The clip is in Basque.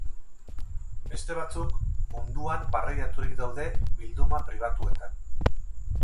Beste batzuk munduan barreiaturik daude, bilduma pribatuetan.